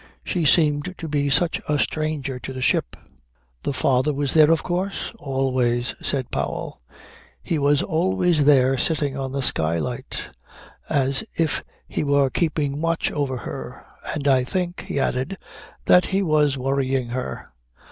She seemed to be such a stranger to the ship." "The father was there of course?" "Always," said Powell. "He was always there sitting on the skylight, as if he were keeping watch over her. And I think," he added, "that he was worrying her.